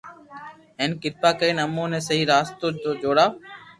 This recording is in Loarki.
ھين ڪرپا ڪرين اموني ي سھي راستو تو چاڙو